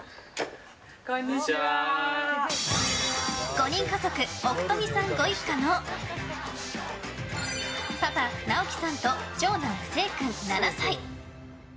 ５人家族、奥冨さんご一家のパパ・直樹さんと長男・成君、７歳。